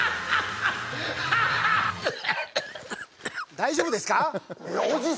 大丈夫ですか！？